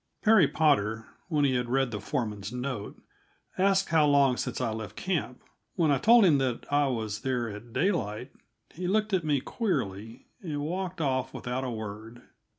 Perry Potter, when he had read the foreman's note, asked how long since I left camp; when I told him that I was there at daylight, he looked at me queerly and walked off without a word.